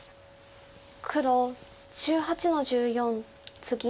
黒１８の十四ツギ。